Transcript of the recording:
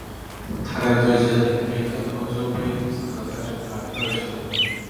他在对阵连菲特的欧洲联盟杯资格赛中打进二球。